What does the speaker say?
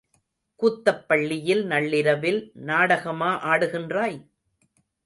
கூத்தப்பள்ளியில் நள்ளிரவில் நாடகமா ஆடுகின்றாய்?